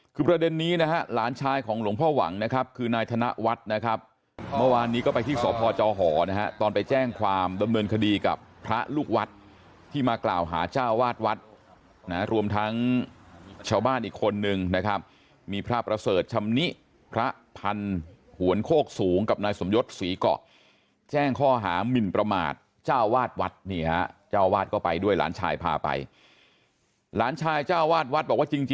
คือประเด็นนี้นะฮะหลานชายของหลงพ่อหวังนะครับคือนายธนวัดนะครับเมื่อวานนี้ก็ไปที่สหพจอหอนะฮะตอนไปแจ้งความดำเนินคดีกับพระลูกวัดที่มากล่าวหาเจ้าวาดวัดนะรวมทั้งชาวบ้านอีกคนนึงนะครับมีพระประเสริฐชำนิพระพันธุ์หวนโคกสูงกับนายสมยศสีเกาะแจ้งข้อหามิลประมาทเจ้าวาดวัด